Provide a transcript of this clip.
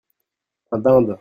Un dinde.